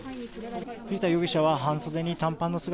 藤田容疑者は半袖に短パンの姿。